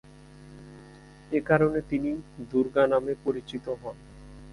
এ কারণে তিনি দুর্গা নামে পরিচিত হন।